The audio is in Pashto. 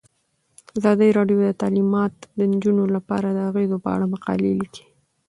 ازادي راډیو د تعلیمات د نجونو لپاره د اغیزو په اړه مقالو لیکلي.